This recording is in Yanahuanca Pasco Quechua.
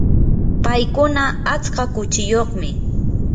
paykuna atska kuchiyuqmi.